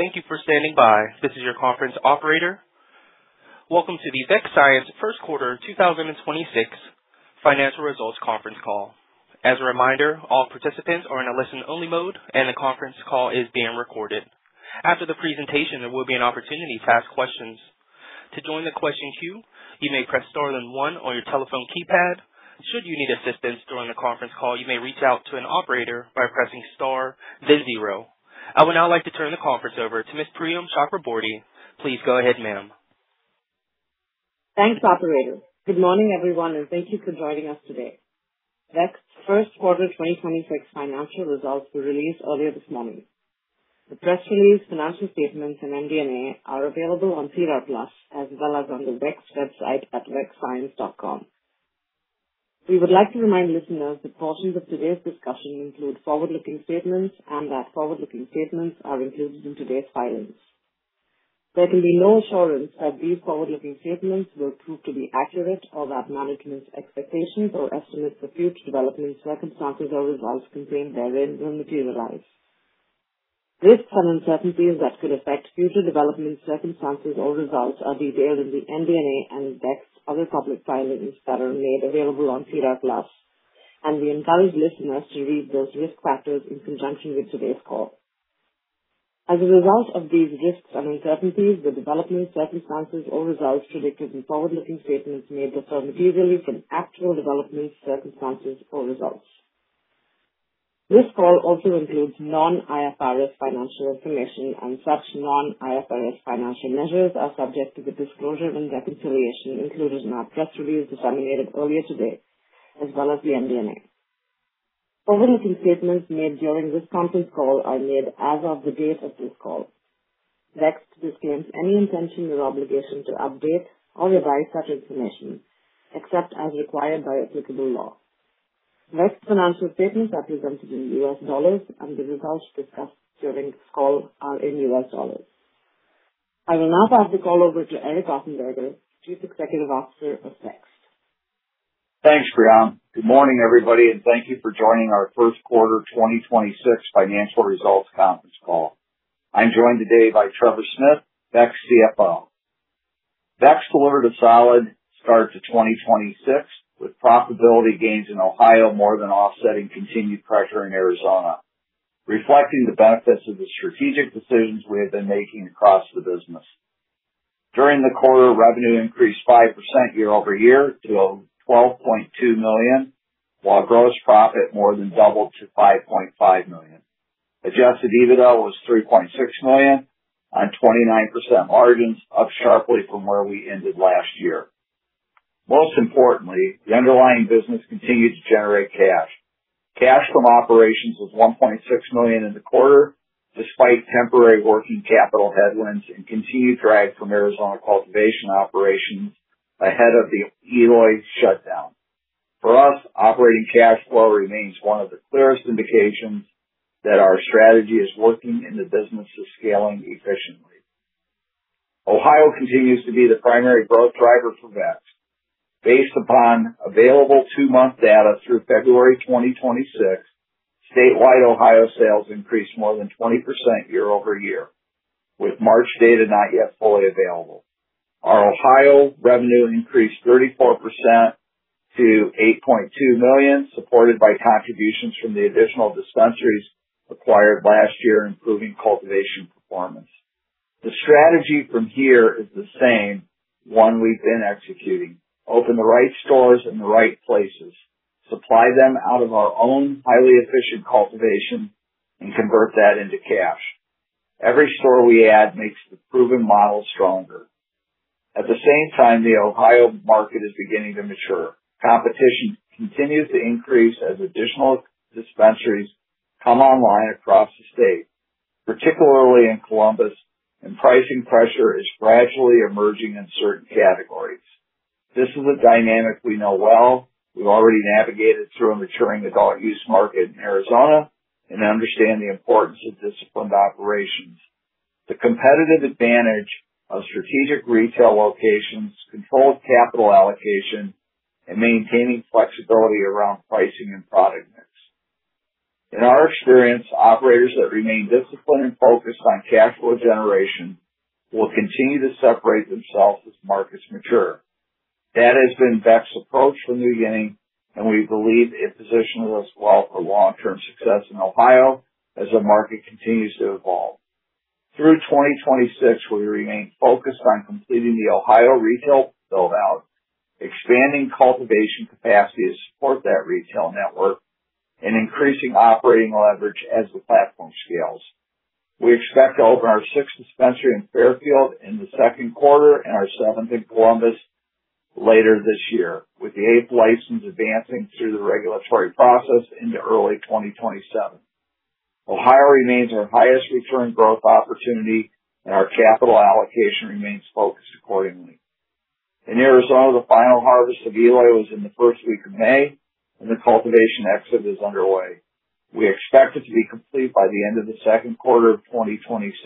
Thank you for standing by. This is your Conference Operator. Welcome to the Vext Science first quarter 2026 financial results conference call. As a reminder, all participants are in a listen-only mode, and the conference call is being recorded. After the presentation, there will be an opportunity to ask questions. To join the question queue, you may press star then one on your telephone keypad. Should you need assistance during the conference call, you may reach out to an operator by pressing star then zero. I would now like to turn the conference over to Ms. Priyam Chakraborty. Please go ahead, ma'am. Thanks, operator. Good morning, everyone, and thank you for joining us today. Vext first quarter 2026 financial results were released earlier this morning. The press release, financial statements, and MD&A are available on SEDAR+ as well as on the Vext website at vextscience.com. We would like to remind listeners that portions of today's discussion include forward-looking statements and that forward-looking statements are included in today's filings. There can be no assurance that these forward-looking statements will prove to be accurate, or that management's expectations or estimates for future developments, circumstances, or results contained therein will materialize. Risks and uncertainties that could affect future developments, circumstances, or results are detailed in the MD&A and Vext's other public filings that are made available on SEDAR+, and we encourage listeners to read those risk factors in conjunction with today's call. As a result of these risks and uncertainties, the developments, circumstances, or results predicted in forward-looking statements may differ materially from actual developments, circumstances, or results. This call also includes non-IFRS financial information, and such non-IFRS financial measures are subject to the disclosure and reconciliation included in our press release disseminated earlier today, as well as the MD&A. Forward-looking statements made during this conference call are made as of the date of this call. Vext disclaims any intention or obligation to update or revise such information, except as required by applicable law. Vext financial statements are presented in U.S. dollars, and the results discussed during this call are in U.S. dollars. I will now pass the call over to Eric Offenberger, Chief Executive Officer of Vext. Thanks, Priyam. Good morning, everybody, and thank you for joining our first quarter 2026 financial results conference call. I'm joined today by Trevor Smith, Vext CFO. Vext delivered a solid start to 2026, with profitability gains in Ohio more than offsetting continued pressure in Arizona, reflecting the benefits of the strategic decisions we have been making across the business. During the quarter, revenue increased 5% year-over-year to $12.2 million, while gross profit more than doubled to $5.5 million. Adjusted EBITDA was $3.6 million on 29% margins, up sharply from where we ended last year. Most importantly, the underlying business continued to generate cash. Cash from operations was $1.6 million in the quarter, despite temporary working capital headwinds and continued drag from Arizona cultivation operations ahead of the Eloy shutdown. For us, operating cash flow remains one of the clearest indications that our strategy is working and the business is scaling efficiently. Ohio continues to be the primary growth driver for Vext. Based upon available two-month data through February 2026, statewide Ohio sales increased more than 20% year-over-year, with March data not yet fully available. Our Ohio revenue increased 34% to $8.2 million, supported by contributions from the additional dispensaries acquired last year, improving cultivation performance. The strategy from here is the same one we've been executing, open the right stores in the right places, supply them out of our own highly efficient cultivation, and convert that into cash. Every store we add makes the proven model stronger. At the same time, the Ohio market is beginning to mature. Competition continues to increase as additional dispensaries come online across the state, particularly in Columbus, and pricing pressure is gradually emerging in certain categories. This is a dynamic we know well. We've already navigated through a maturing adult-use market in Arizona and understand the importance of disciplined operations. The competitive advantage of strategic retail locations, controlled capital allocation, and maintaining flexibility around pricing and product mix. In our experience, operators that remain disciplined and focused on cash flow generation will continue to separate themselves as markets mature. That has been Vext's approach from the beginning, and we believe it positions us well for long-term success in Ohio as the market continues to evolve. Through 2026, we remain focused on completing the Ohio retail build-out, expanding cultivation capacity to support that retail network, and increasing operating leverage as the platform scales. We expect to open our sixth dispensary in Fairfield in the second quarter and our seventh in Columbus later this year, with the eighth license advancing through the regulatory process into early 2027. Ohio remains our highest return growth opportunity, and our capital allocation remains focused accordingly. In Arizona, the final harvest of Eloy was in the first week of May, and the cultivation exit is underway. We expect it to be complete by the end of the second quarter of 2026.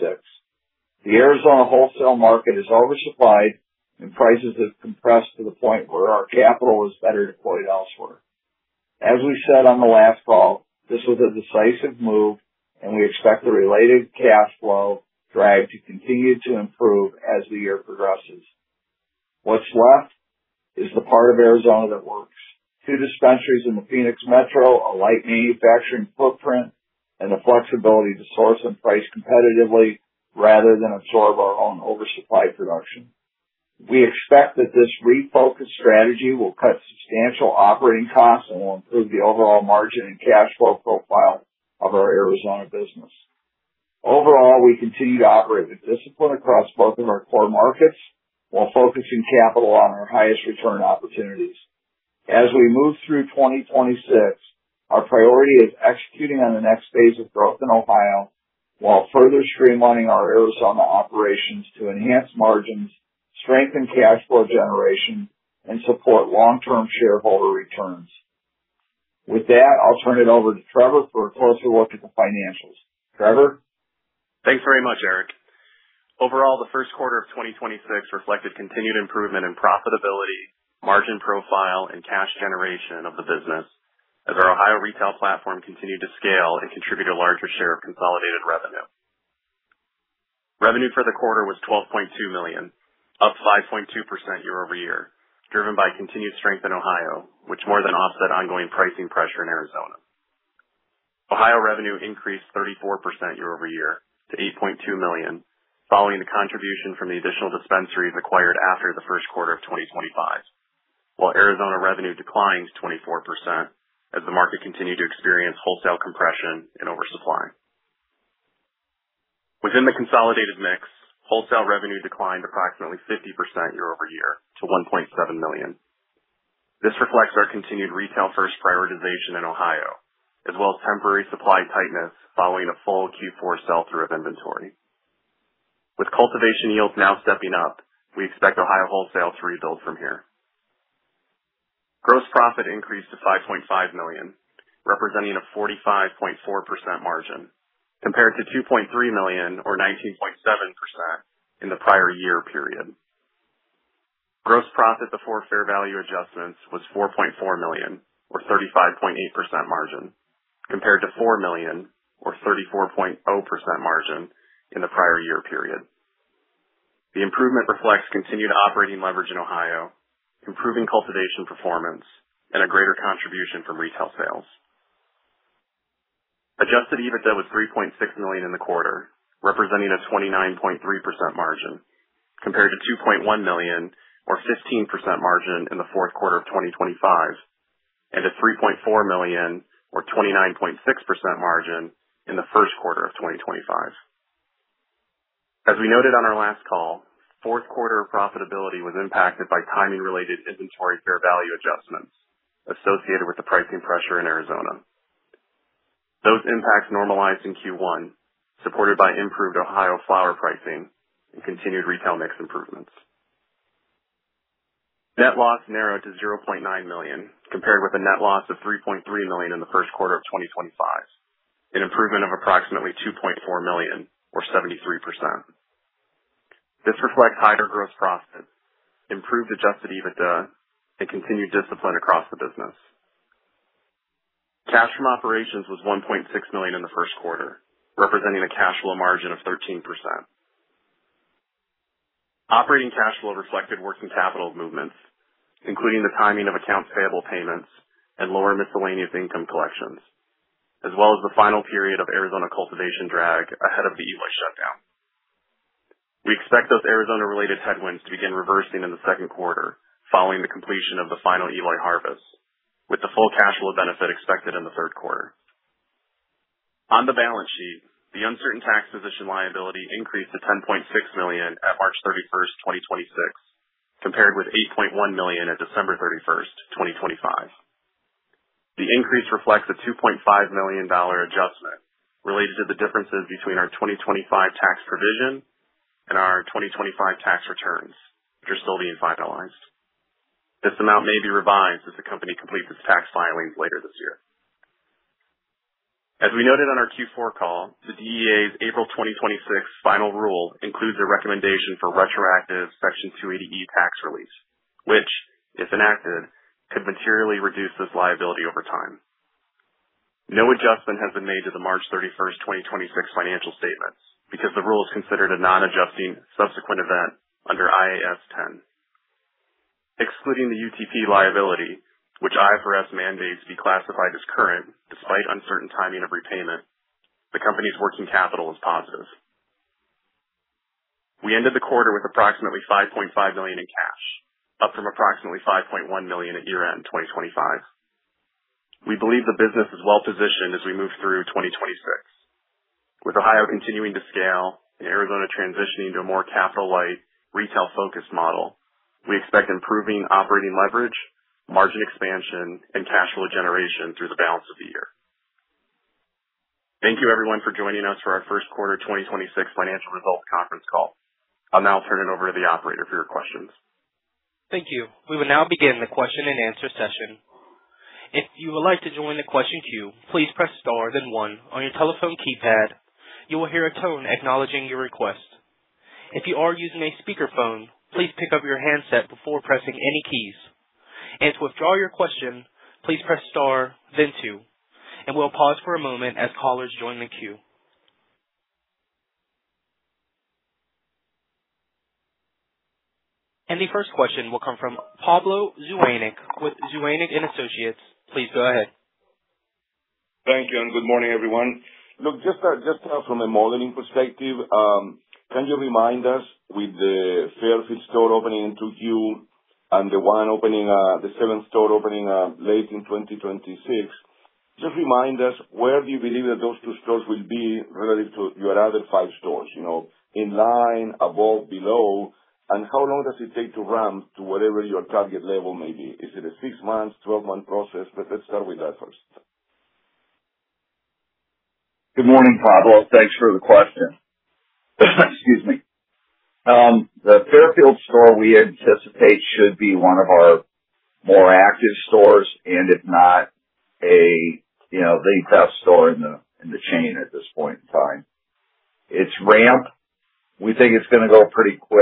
The Arizona wholesale market is oversupplied, and prices have compressed to the point where our capital is better deployed elsewhere. As we said on the last call, this was a decisive move, and we expect the related cash flow drag to continue to improve as the year progresses. What's left is the part of Arizona that works. Two dispensaries in the Phoenix Metro, a light manufacturing footprint, and the flexibility to source and price competitively rather than absorb our own oversupply production. We expect that this refocused strategy will cut substantial operating costs and will improve the overall margin and cash flow profile of our Arizona business. Overall, we continue to operate with discipline across both of our core markets while focusing capital on our highest return opportunities. As we move through 2026, our priority is executing on the next phase of growth in Ohio while further streamlining our Arizona operations to enhance margins, strengthen cash flow generation, and support long-term shareholder returns. With that, I'll turn it over to Trevor for a closer look at the financials. Trevor? Thanks very much, Eric. Overall, the first quarter of 2026 reflected continued improvement in profitability, margin profile, and cash generation of the business as our Ohio retail platform continued to scale and contribute a larger share of consolidated revenue. Revenue for the quarter was $12.2 million, up 5.2% year-over-year, driven by continued strength in Ohio, which more than offset ongoing pricing pressure in Arizona. Ohio revenue increased 34% year-over-year to $8.2 million following the contribution from the additional dispensaries acquired after the first quarter of 2025. While Arizona revenue declined 24% as the market continued to experience wholesale compression and oversupply. Within the consolidated mix, wholesale revenue declined approximately 50% year-over-year to $1.7 million. This reflects our continued retail-first prioritization in Ohio, as well as temporary supply tightness following a full Q4 sell-through of inventory. With cultivation yields now stepping up, we expect Ohio wholesale to rebuild from here. Gross profit increased to $5.5 million, representing a 45.4% margin compared to $2.3 million or 19.7% in the prior year period. Gross profit before fair value adjustments was $4.4 million or 35.8% margin compared to $4 million or 34.0% margin in the prior year period. The improvement reflects continued operating leverage in Ohio, improving cultivation performance, and a greater contribution from retail sales. Adjusted EBITDA was $3.6 million in the quarter, representing a 29.3% margin compared to $2.1 million or 15% margin in the fourth quarter of 2025 and a $3.4 million or 29.6% margin in the first quarter of 2025. As we noted on our last call, fourth quarter profitability was impacted by timing-related inventory fair value adjustments associated with the pricing pressure in Arizona. Those impacts normalized in Q1, supported by improved Ohio flower pricing and continued retail mix improvements. Net loss narrowed to $0.9 million compared with a net loss of $3.3 million in the first quarter of 2025, an improvement of approximately $2.4 million or 73%. This reflects higher gross profit, improved adjusted EBITDA, and continued discipline across the business. Cash from operations was $1.6 million in the first quarter, representing a cash flow margin of 13%. Operating cash flow reflected working capital movements, including the timing of accounts payable payments and lower miscellaneous income collections, as well as the final period of Arizona cultivation drag ahead of the Eloy shutdown. We expect those Arizona-related headwinds to begin reversing in the second quarter following the completion of the final Eloy harvest, with the full cash flow benefit expected in the third quarter. On the balance sheet, the uncertain tax position liability increased to $10.6 million at March 31st, 2026, compared with $8.1 million at December 31st, 2025. The increase reflects a $2.5 million adjustment related to the differences between our 2025 tax provision and our 2025 tax returns, which are still being finalized. This amount may be revised as the company completes its tax filings later this year. As we noted on our Q4 call, the DEA's April 2026 final rule includes a recommendation for retroactive Section 280E tax release, which, if enacted, could materially reduce this liability over time. No adjustment has been made to the March 31st, 2026 financial statements because the rule is considered a non-adjusting subsequent event under IAS 10. Excluding the UTP liability, which IFRS mandates be classified as current despite uncertain timing of repayment, the company's working capital is positive. We ended the quarter with approximately $5.5 million in cash, up from approximately $5.1 million at year-end 2025. We believe the business is well-positioned as we move through 2026. With Ohio continuing to scale and Arizona transitioning to a more capital-light, retail-focused model, we expect improving operating leverage, margin expansion, and cash flow generation through the balance of the year. Thank you, everyone, for joining us for our first quarter 2026 financial results conference call. I'll now turn it over to the operator for your questions. Thank you. We will now begin the question and answer session. If you would like to join the question queue, please press star then one on your telephone keypad. You will hear a tone acknowledging your request. If you are using a speakerphone, please pick up your handset before pressing any keys. To withdraw your question, please press star, then two. We'll pause for a moment as callers join the queue. The first question will come from Pablo Zuanic with Zuanic & Associates. Please go ahead. Thank you, good morning, everyone. Look, just from a modeling perspective, can you remind us with the Fairfield store opening in Q2 and the seventh store opening late in 2026, just remind us where do you believe that those two stores will be relative to your other five stores? In line, above, below? How long does it take to ramp to whatever your target level may be? Is it a six months, 12-month process? Let's start with that first. Good morning, Pablo. Thanks for the question. Excuse me. The Fairfield store, we anticipate, should be one of our more active stores, and if not the best store in the chain at this point in time. Its ramp, we think it's going to go pretty quick.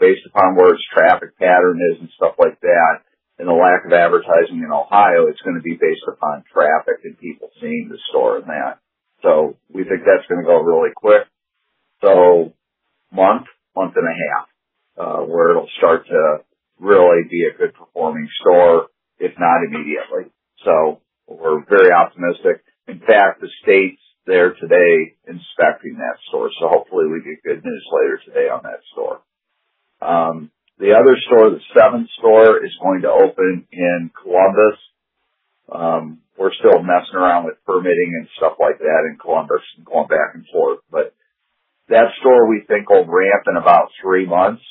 Based upon where its traffic pattern is and stuff like that, and the lack of advertising in Ohio, it's going to be based upon traffic and people seeing the store and that. We think that's going to go really quick. Month and a half, where it'll start to really be a good performing store, if not immediately. We're very optimistic. In fact, the state's there today inspecting that store. Hopefully we get good news later today on that store. The other store, the seventh store, is going to open in Columbus. We're still messing around with permitting and stuff like that in Columbus and going back and forth. That store, we think, will ramp in about three months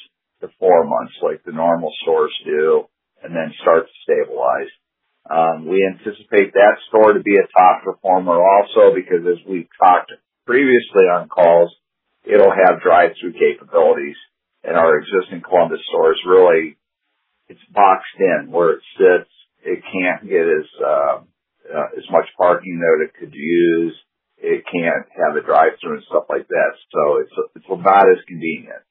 to four months, like the normal stores do, and then start to stabilize. We anticipate that store to be a top performer also because, as we've talked previously on calls, it'll have drive-thru capabilities. Our existing Columbus store is really boxed in where it sits. It can't get as much parking there it could use. It can't have a drive-thru and stuff like that. It's not as convenient.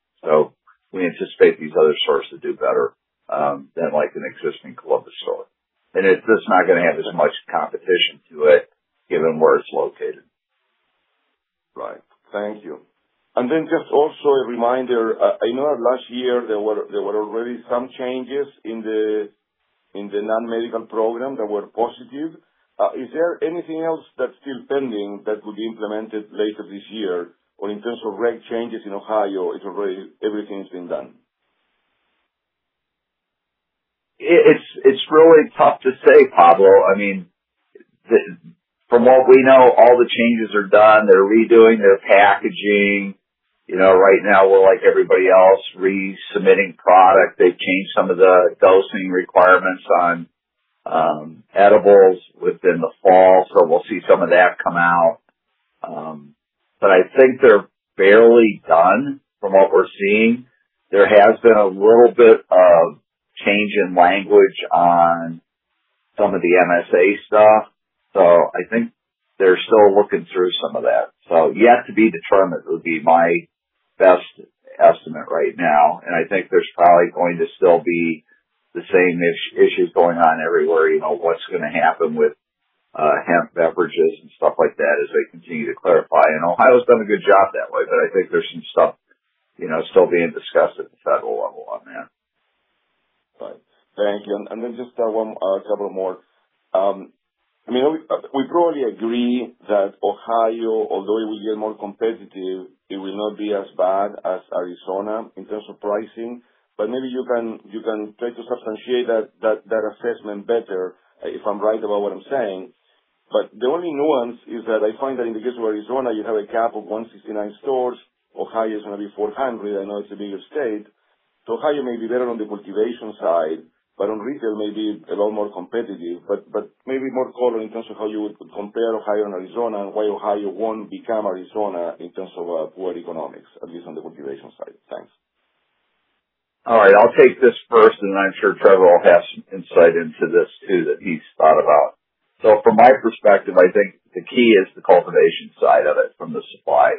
We anticipate these other stores to do better than an existing Columbus store. It's just not going to have as much competition to it given where it's located. Right. Thank you. Just also a reminder. I know last year there were already some changes in the non-medical program that were positive. Is there anything else that's still pending that could be implemented later this year? In terms of rate changes in Ohio, everything's been done? It's really tough to say, Pablo. From what we know, all the changes are done. They're redoing their packaging. Right now, we're like everybody else, resubmitting product. They've changed some of the dosing requirements on edibles within the fall, so we'll see some of that come out. I think they're barely done from what we're seeing. There has been a little bit of change in language on some of the MSA stuff, so I think they're still looking through some of that. Yet to be determined would be my best estimate right now, and I think there's probably going to still be the same issues going on everywhere. What's going to happen with hemp beverages and stuff like that as they continue to clarify. Ohio's done a good job that way, but I think there's some stuff still being discussed at the federal level on that. Right. Thank you. Just a couple more. We probably agree that Ohio, although it will get more competitive, it will not be as bad as Arizona in terms of pricing. Maybe you can try to substantiate that assessment better, if I'm right about what I'm saying. The only nuance is that I find that because with Arizona, you have a cap of 169 stores. Ohio is going to be 400. I know it's a bigger state. Ohio may be better on the cultivation side, but on retail, may be a lot more competitive. Maybe more color in terms of how you would compare Ohio and Arizona and why Ohio won't become Arizona in terms of poor economics, at least on the cultivation side. Thanks. All right. I'll take this first, and I'm sure Trevor will have some insight into this, too, that he's thought about. From my perspective, I think the key is the cultivation side of it from the supply.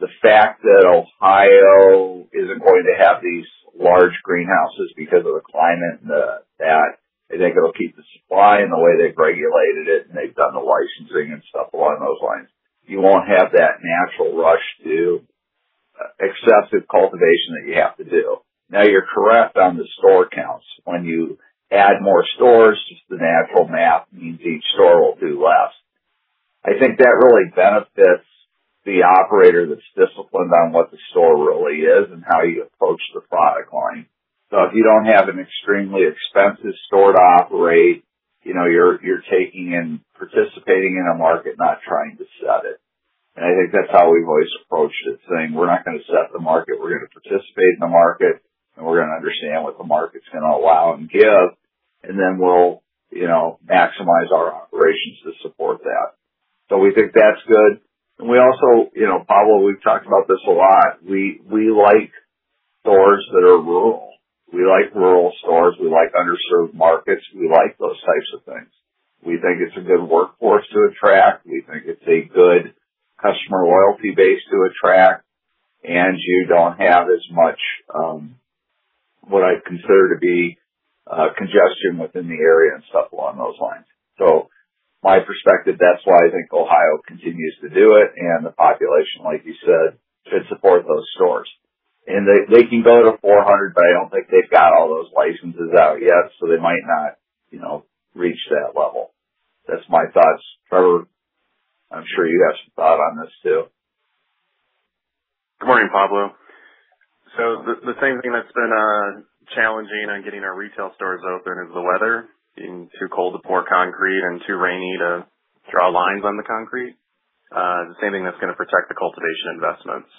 The fact that Ohio isn't going to have these large greenhouses because of the climate and that I think it'll keep the supply and the way they've regulated it, and they've done the licensing and stuff along those lines. You won't have that natural rush to excessive cultivation that you have to do. Now, you're correct on the store counts. When you add more stores, just the natural math means each store will do less. I think that really benefits the operator that's disciplined on what the store really is and how you approach the product line. If you don't have an extremely expensive store to operate, you're taking and participating in a market, not trying to set it. I think that's how we've always approached it, saying, we're not going to set the market, we're going to participate in the market, and we're going to understand what the market's going to allow and give, and then we'll maximize our operations to support that. We think that's good. We also, Pablo, we've talked about this a lot. Stores that are rural. We like rural stores. We like underserved markets. We like those types of things. We think it's a good workforce to attract. We think it's a good customer loyalty base to attract, and you don't have as much, what I'd consider to be, congestion within the area and stuff along those lines. My perspective, that's why I think Ohio continues to do it, the population, like you said, should support those stores. They can go to 400, I don't think they've got all those licenses out yet, they might not reach that level. That's my thoughts. Trevor, I'm sure you have some thought on this, too. Good morning, Pablo. The same thing that's been challenging on getting our retail stores open is the weather, being too cold to pour concrete and too rainy to draw lines on the concrete. The same thing that's going to protect the cultivation investments.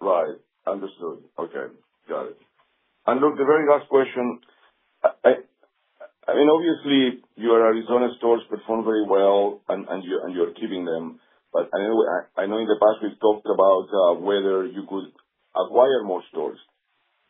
Right. Understood. Okay. Got it. Look, the very last question, obviously, your Arizona stores perform very well, and you're keeping them. I know in the past we've talked about whether you could acquire more stores.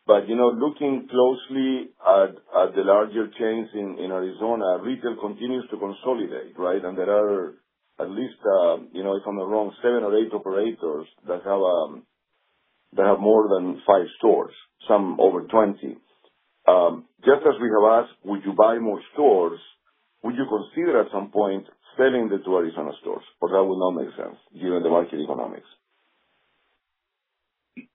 Looking closely at the larger chains in Arizona, retail continues to consolidate, right? There are at least, if I'm not wrong, seven or eight operators that have more than five stores, some over 20. Just as we have asked, would you buy more stores? Would you consider at some point selling the two Arizona stores, or that would not make sense given the market economics?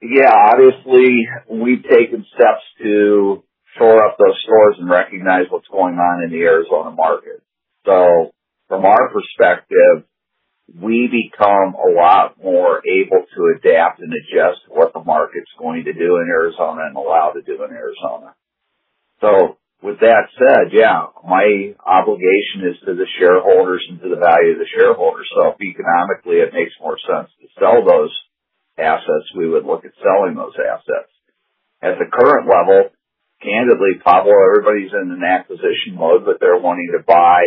Yeah, obviously, we've taken steps to shore up those stores and recognize what's going on in the Arizona market. From our perspective, we become a lot more able to adapt and adjust what the market's going to do in Arizona and allowed to do in Arizona. With that said, yeah, my obligation is to the shareholders and to the value of the shareholders. If economically it makes more sense to sell those assets, we would look at selling those assets. At the current level, candidly, Pablo, everybody's in an acquisition mode, but they're wanting to buy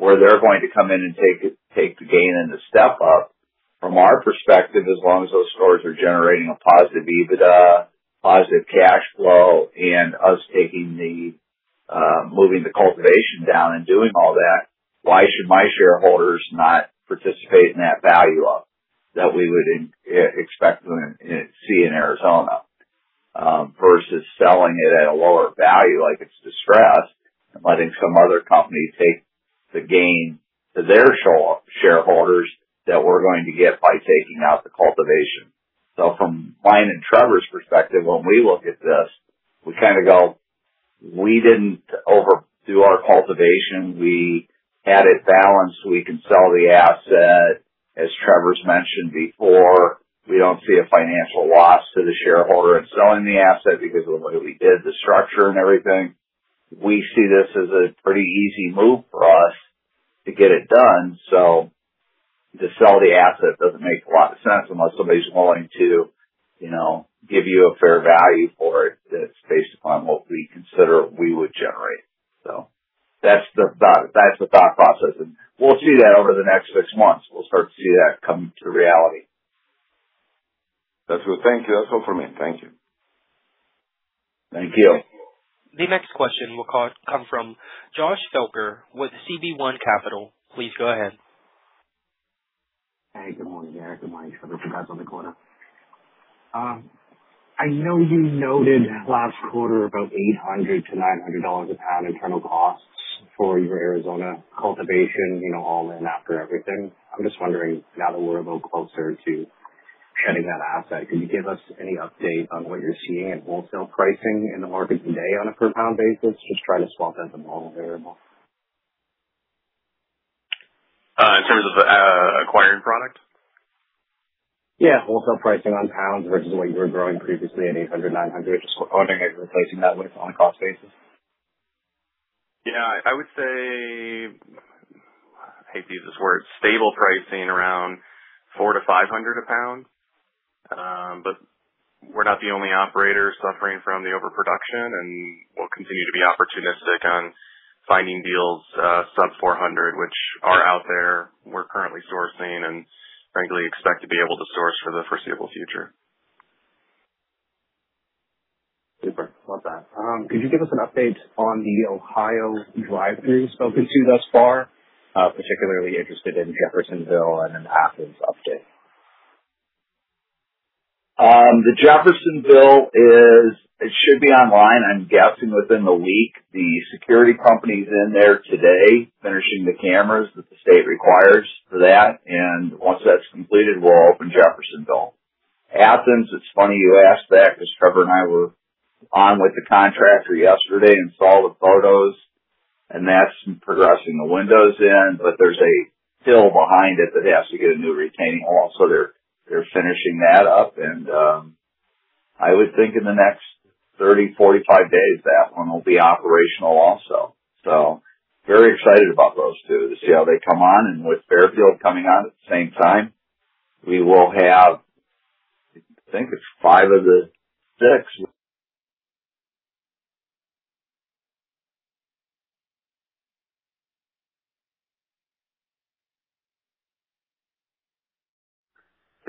where they're going to come in and take the gain and the step-up. From our perspective, as long as those stores are generating a positive EBITDA, positive cash flow, and us moving the cultivation down and doing all that, why should my shareholders not participate in that value-up that we would expect to see in Arizona versus selling it at a lower value like it's distressed and letting some other company take the gain to their shareholders that we're going to get by taking out the cultivation. From mine and Trevor's perspective, when we look at this, we kind of go, we didn't overdo our cultivation. We had it balanced. We can sell the asset. As Trevor's mentioned before, we don't see a financial loss to the shareholder in selling the asset because of the way we did the structure and everything. We see this as a pretty easy move for us to get it done. To sell the asset doesn't make a lot of sense unless somebody's willing to give you a fair value for it that's based upon what we consider we would generate. That's the thought process, and we'll see that over the next six months. We'll start to see that come to reality. That's good. Thank you. That's all for me. Thank you. Thank you. The next question will come from Josh Stoker with CB1 Capital. Please go ahead. Hey, good morning, Eric. Good morning, Trevor. Congratulations on the quarter. I know you noted last quarter about $800-$900 a pound in terms of costs for your Arizona cultivation, all in after everything. I'm just wondering now that we're a little closer to shedding that asset, can you give us any update on what you're seeing at wholesale pricing in the market today on a per pound basis? Just trying to swap out the model variable. In terms of acquiring product? Yeah. Wholesale pricing on pounds versus what you were growing previously at $800, $900. Just wondering if you're replacing that on a cost basis. Yeah, I would say, I hate to use this word, stable pricing around $400 to $500 a pound. We're not the only operator suffering from the overproduction, and we'll continue to be opportunistic on finding deals sub $400, which are out there. We're currently sourcing and frankly expect to be able to source for the foreseeable future. Super. Love that. Could you give us an update on the Ohio drive-throughs open to thus far? Particularly interested in Jeffersonville and an Athens update. The Jeffersonville, it should be online, I'm guessing within the week. The security company's in there today finishing the cameras that the state requires for that, and once that's completed, we'll open Jeffersonville. Athens, it's funny you ask that because Trevor and I were on with the contractor yesterday and saw the photos, and that's progressing. The window's in, but there's a hill behind it that has to get a new retaining wall. They're finishing that up, and I would think in the next 30, 45 days, that one will be operational also. Very excited about those two to see how they come on. With Fairfield coming on at the same time, we will have, I think it's five of the six-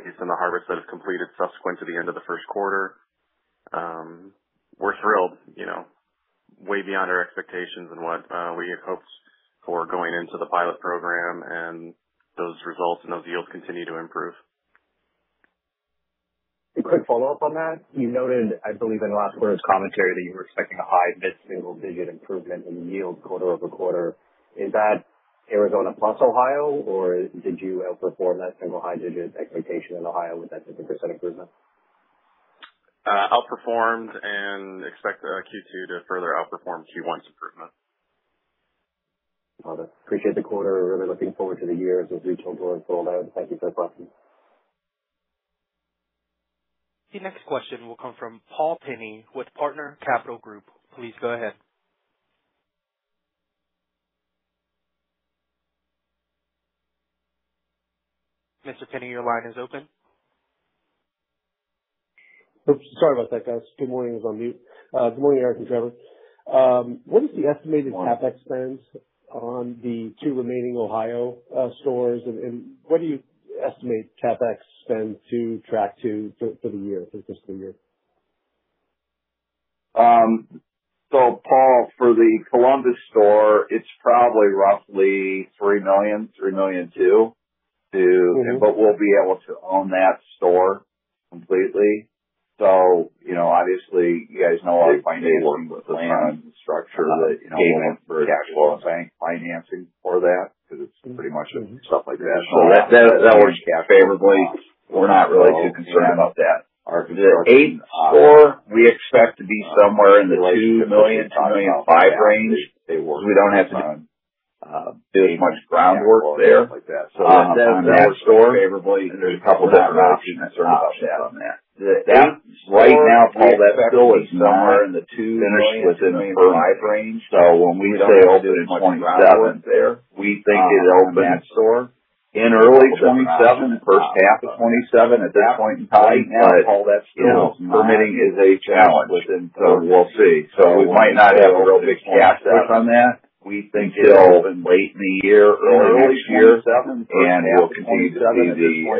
Based on the harvests that have completed subsequent to the end of the first quarter, we're thrilled, way beyond our expectations and what we had hoped for going into the pilot program. Those results and those yields continue to improve. A quick follow-up on that. You noted, I believe in last quarter's commentary, that you were expecting a high mid-single-digit improvement in yield quarter-over-quarter. Is that Arizona plus Ohio, or did you outperform that single high digit expectation in Ohio with that 10% improvement? Outperformed and expect our Q2 to further outperform Q1's improvement. Got it. Appreciate the quarter. Really looking forward to the year as retail grows full out. Thank you. The next question will come from Paul Penney with Partner Capital Group. Please go ahead. Mr. Penney, your line is open. Oops, sorry about that, guys. Good morning. I was on mute. Good morning, everyone. What is the estimated CapEx spend on the two remaining Ohio stores, and what do you estimate CapEx spend to track to for the year, for fiscal year? Paul, for the Columbus store, it's probably roughly $3 million, $3.2 million. We'll be able to own that store completely. Obviously, you guys know how we work with land and structure, payment, cash flow, bank financing for that because it's pretty much stuff like that. That works favorably. We're not really too concerned about that. The eighth store we expect to be somewhere in the $2 million-$2.5 million range because we don't have to do much groundwork there on that store. There's a couple different options on that. That right now, Paul Penney, that store is not finished within the first phase. When we say opening 2027, we think it opens in early 2027, first half of 2027 at this point in time. Permitting is a challenge, so we'll see. We might not have a real big CapEx on that until late in the year or early next year, and we'll continue to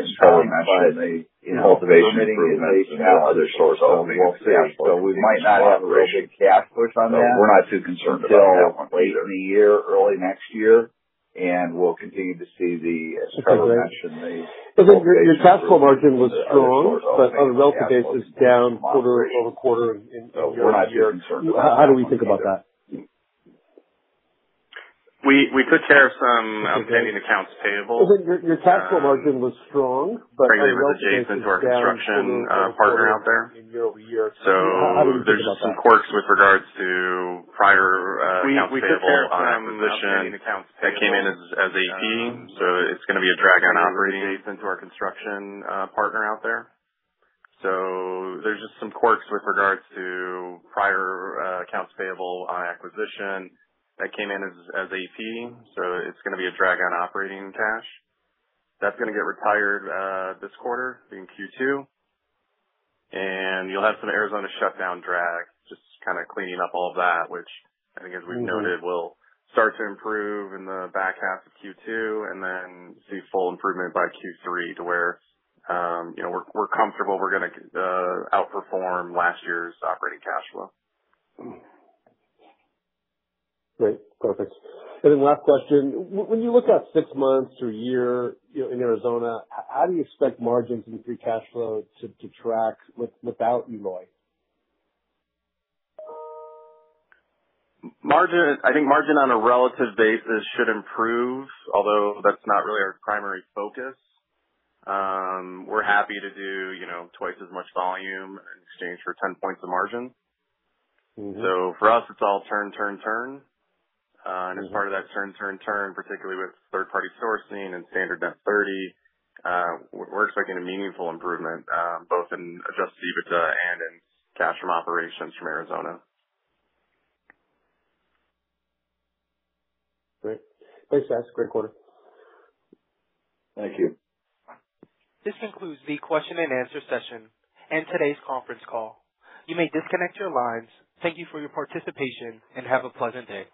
see the, as Trevor mentioned, the cultivation improvements and some of the other stores opening, cash flow from operations. We're not too concerned about that one either. Okay, great. Your cash flow margin was strong, but on a relative basis, down quarter-over-quarter in year-over-year. How do we think about that? We took care of some outstanding accounts payable. Your cash flow margin was strong, but on a relative basis, down quarter-over-quarter in year-over-year. How do we think about that? We took care of some outstanding accounts payable. [inaudible] to our construction partner out there. There's just some quirks with regards to prior accounts payable on acquisition that came in as AP. It's going to be a drag on operating cash. That's going to get retired this quarter, in Q2. You'll have some Arizona shutdown drag, just cleaning up all that, which I think as we've noted, will start to improve in the back half of Q2 and then see full improvement by Q3 to where we're comfortable we're going to outperform last year's operating cash flow. Great. Perfect. Then last question, when you look out six months to a year in Arizona, how do you expect margins and free cash flow to track without Eloy? I think margin on a relative basis should improve, although that's not really our primary focus. We're happy to do twice as much volume in exchange for 10 points of margin. For us, it's all turn, turn. As part of that turn, turn, particularly with third-party sourcing and standard net 30, we're expecting a meaningful improvement, both in adjusted EBITDA and in cash from operations from Arizona. Great. Thanks, guys. Great quarter. Thank you. This concludes the question and answer session and today's conference call. You may disconnect your lines. Thank you for your participation, and have a pleasant day.